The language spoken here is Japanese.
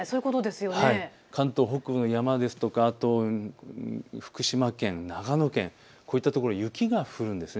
関東北部の山ですとか、福島県、長野県、こういったところ、雪が降るんです。